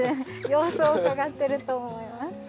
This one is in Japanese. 様子をうかがってると思います。